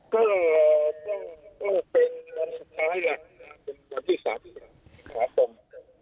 ก็เป็นวันสุดท้ายวันที่๓๐คราวตรง